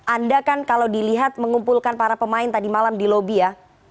anda kan kalau dilihat mengumpulkan para pemain tadi malam di lobi ya